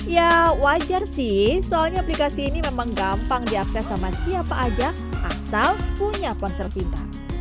ya wajar sih soalnya aplikasi ini memang gampang diakses sama siapa aja asal punya paser pintar